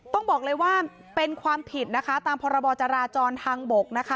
ต้องบอกเลยว่าเป็นความผิดนะคะตามพรบจราจรทางบกนะคะ